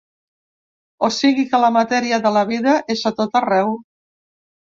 O sigui que la matèria de la vida és a tot arreu.